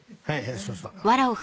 そうそう。